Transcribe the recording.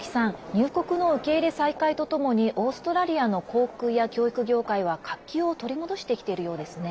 入国の受け入れ再開とともにオーストラリアの航空や教育業界は活気を取り戻してきているようですね。